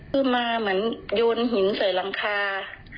คือมาเหมือนโยนหินใส่หลังคา